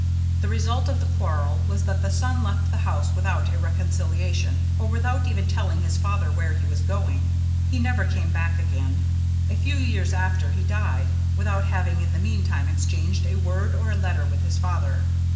"The result of the quarrel was that the son left the house without a reconciliation or without even telling his father where he was going. He never came back again. A few years after, he died, without having in the meantime exchanged a word or a letter with his father.